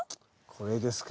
これですか？